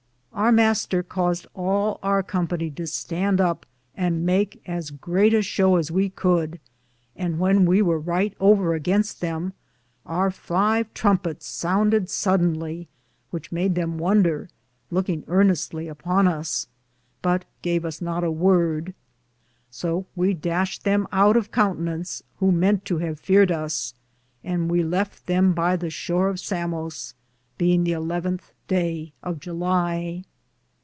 Our Mr. caused all our company to stand up and make as great a show as we coulde, and when we weare ryghte over againste them, our five trumpetes sounded sodonly, which made them wonder, loukinge earnestly upon us, but gave us not a worde ; so we Dashte them oute of countinance who mente to have feared us, and we lefte them by the shore of Samose, beinge the eleventhe day of July.